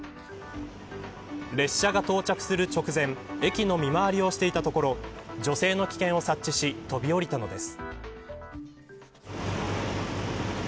列車が到着する直前駅の見回りをしていたところ女性の危険を察知し飛び降りたのです。